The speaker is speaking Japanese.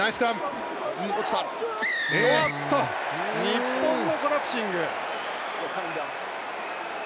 日本のコラプシング！